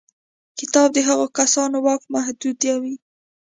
کتاب د هغو کسانو واک محدودوي.